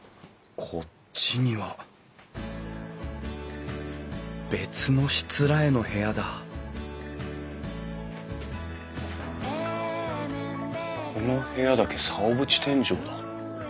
こっちには別のしつらえの部屋だこの部屋だけ竿縁天井だ。